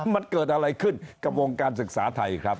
มันเกิดอะไรขึ้นกับวงการศึกษาไทยครับ